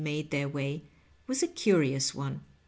203 made their way waa a curious one.